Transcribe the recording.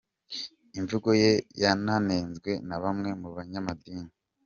Imvugo ye yananenzwe na bamwe mu banyamadini